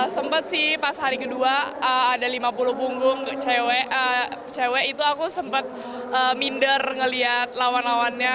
sempat sih pas hari ke dua ada lima puluh punggung cewek itu aku sempet minder melihat lawan lawannya